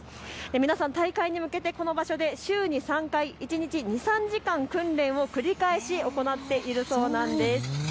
皆さん大会に向けてこの場所で週に３回、一日２、３時間、訓練を繰り返し行っているそうです。